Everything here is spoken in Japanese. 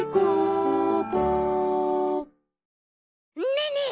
ねえねえ